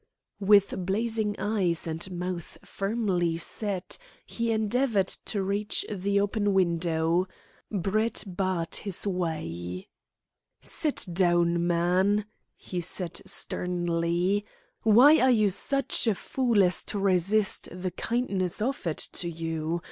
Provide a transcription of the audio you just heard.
With blazing eyes, and mouth firmly set, he endeavoured to reach the open window. Brett barred his way. "Sit down, man," he said sternly. "Why are you such a fool as to resist the kindness offered to you?